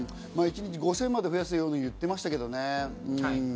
一日５０００まで増やすよと言ってましたけどね。